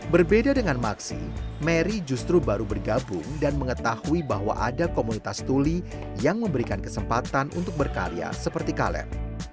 berbeda dengan maksi mary justru baru bergabung dan mengetahui bahwa ada komunitas tuli yang memberikan kesempatan untuk berkarya seperti kaleb